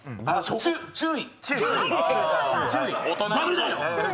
注意。